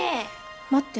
待って。